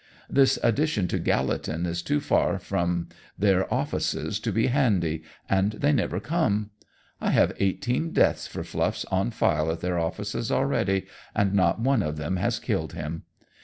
This addition to Gallatin is too far from their offices to be handy, and they never come. I have eighteen deaths for Fluff on file at their offices already, and not one of them has killed him.